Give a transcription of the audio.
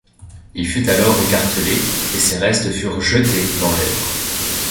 Il fut alors écartelé et ses restes furent jetés dans l'Hèbre.